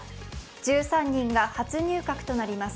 １３人が初入閣となります。